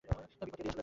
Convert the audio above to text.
বিপদ এড়িয়ে চলছো?